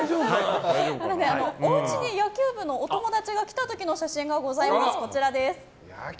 おうちに野球部のお友達が来た時の写真がこちらです。